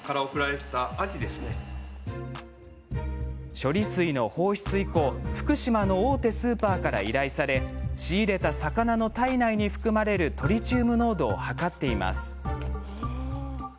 処理水の放出以降福島の大手スーパーから依頼され仕入れた魚の体内に含まれるトリチウム濃度を測っています。